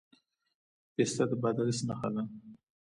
پسته د بادغیس نښه ده.